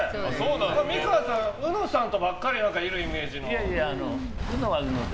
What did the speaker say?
美川さん、うのさんとばっかり一緒にいるイメージ。